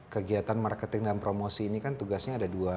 kegiatan marketing dan promosi ini kan tugasnya ada dua